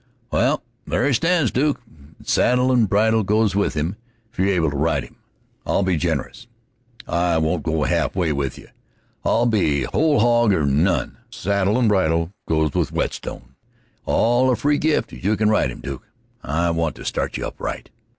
"Well, there he stands, Duke, and saddle and bridle goes with him if you're able to ride him. I'll be generous; I won't go half way with you; I'll be whole hog or none. Saddle and bridle goes with Whetstone, all a free gift, if you can ride him, Duke. I want to start you up right."